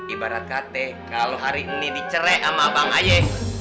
ibarat kate kalo hari ini dicerai ama abang aye